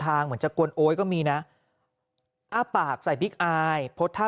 เหมือนจะกวนโอ๊ยก็มีนะอ้าปากใส่บิ๊กอายโพสต์ท่า